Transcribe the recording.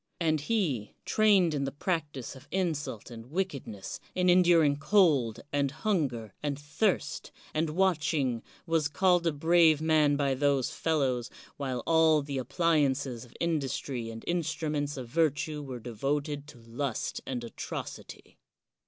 And he, trained in the practise of in sult and wickedness, in enduring cold, and hun ger, and thirst, and watching, was called a brave man by those fellows, while all the appliances of industry and instruments of virtue were devoted to lust and atrocity.